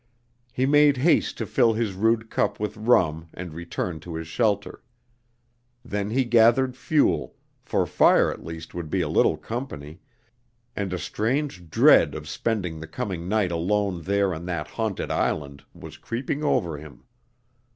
He made haste to fill his rude cup with rum and return to his shelter. Then he gathered fuel, for fire at least would be a little company, and a strange dread of spending the coming night alone there on that haunted island was creeping over him.